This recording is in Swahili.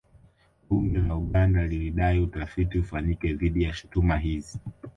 Bunge la Uganda lilidai utafiti ufanyike dhidi ya shutuma hizi